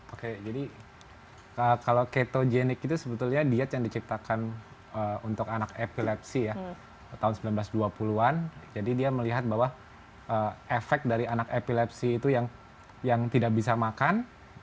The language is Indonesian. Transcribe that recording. oke jadi kalau ketogenik itu sebetulnya diet yang diciptakan untuk anak epilepsi ya tahun seribu sembilan ratus dua puluh an jadi dia melihat bahwa efek dari anak epilepsi itu yang tidak bisa makan